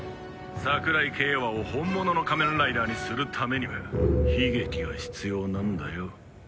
桜井景和を本物の仮面ライダーにするためには悲劇が必要なんだよ。